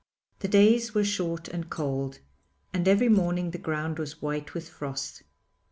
The days were short and cold, and every morning the ground was white with frost.